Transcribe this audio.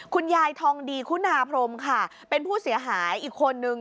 คุณยายทองดีคุณาพรมค่ะเป็นผู้เสียหายอีกคนนึง